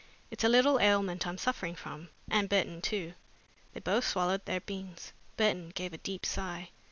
"It's a little ailment I'm suffering from, and Burton too." They both swallowed their beans. Burton gave a deep sigh.